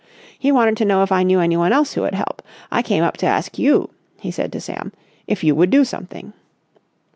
He wanted to know if I knew anyone else who would help. I came up to ask you," he said to Sam, "if you would do something."